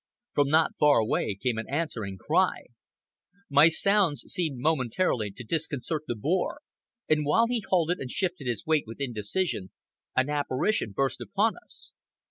From not far away came an answering cry. My sounds seemed momentarily to disconcert the boar, and while he halted and shifted his weight with indecision, an apparition burst upon us.